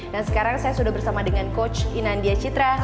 dan sekarang saya sudah bersama dengan coach inandia citra